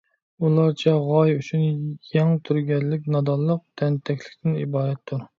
ئۇلارچە غايە ئۈچۈن يەڭ تۈرگەنلىك نادانلىق، تەنتەكلىكتىن ئىبارەتتۇر.